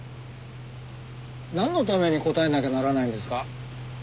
なんのために答えなきゃならないんですか？